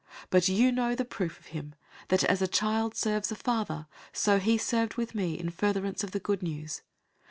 002:022 But you know the proof of him, that, as a child serves a father, so he served with me in furtherance of the Good News.